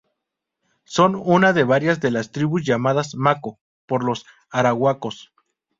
Son una de varias de las tribus llamadas "Maco" por los arahuacos.